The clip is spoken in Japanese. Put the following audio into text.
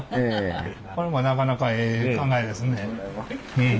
これもなかなかええ考えですね。